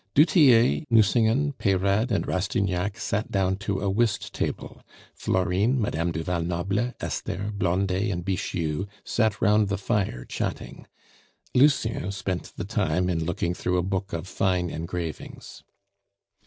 Du Tillet, Nucingen, Peyrade, and Rastignac sat down to a whist table; Florine, Madame du Val Noble, Esther, Blondet, and Bixiou sat round the fire chatting. Lucien spent the time in looking through a book of fine engravings.